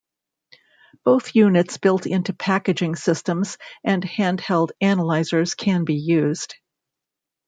Both units built into packaging systems and handheld analysers can be used.